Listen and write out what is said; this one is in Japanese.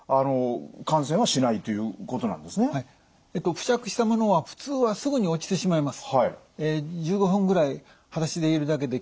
付着したものは普通はすぐに落ちてしまいます。